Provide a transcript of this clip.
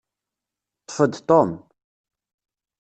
Ṭṭef-d Tom.